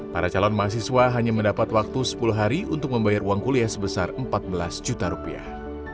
para calon mahasiswa hanya mendapat waktu sepuluh hari untuk membayar uang kuliah sebesar empat belas juta rupiah